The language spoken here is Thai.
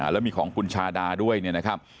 แล้วมีของคุณชาดาด้วยนะครับ